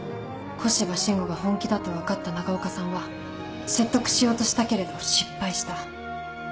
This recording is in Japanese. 古芝伸吾が本気だと分かった長岡さんは説得しようとしたけれど失敗した。